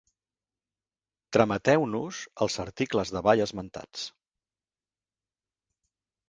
Trameteu-nos els articles davall esmentats.